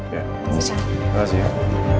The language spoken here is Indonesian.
ya terima kasih